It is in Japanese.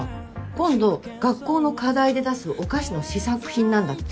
今度学校の課題で出すお菓子の試作品なんだって。